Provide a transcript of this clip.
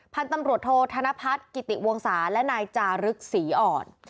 พันธุ์ตำรวจโทษธนพัฒน์กิติวงศาและนายจารึกศรีอ่อน